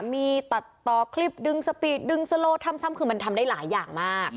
มีตัดต่อคลิปดึงสปีดดึงโซโลทำซ้ำคือมันทำได้หลายอย่างมาก